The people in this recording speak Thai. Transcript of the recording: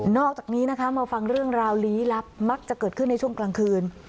อกจากนี้นะคะมาฟังเรื่องราวลี้ลับมักจะเกิดขึ้นในช่วงกลางคืน